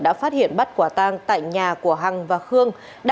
đã phát hiện bắt quả tang tại nhà của hằng và khương